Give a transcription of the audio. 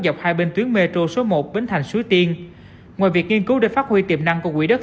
dọc hai bên tuyến metro số một bến thành suối tiên ngoài việc nghiên cứu để phát huy tiềm năng của quỹ đất